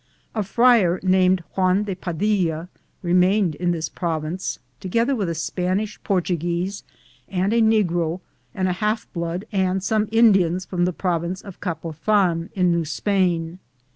A friar named Juan de Padilla remained in this province, together with a Spanish Portuguese and a negro and a half blood and some In dians from the province of Capothan, in New Spain.